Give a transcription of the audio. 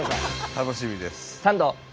楽しみです。